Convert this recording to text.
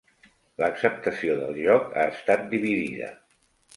L'acceptació del joc ha estat dividida.